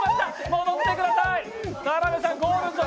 戻ってください。